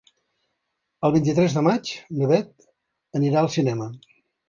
El vint-i-tres de maig na Beth anirà al cinema.